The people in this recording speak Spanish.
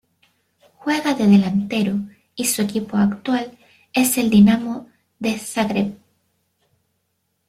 Juega de delantero y su equipo actual es el Dinamo de Zagreb.